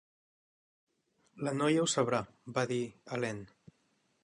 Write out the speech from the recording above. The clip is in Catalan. "La noia ho sabrà", va dir Helene.